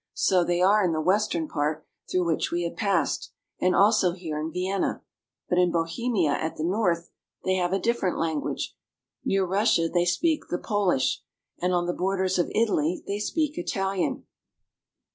So they are in the western part through which we have passed, and also here in Vienna ; but in Bohemia at the north they have a different language, near Russia they speak the Po lish, and on the bor ders of Italy they speak Italian.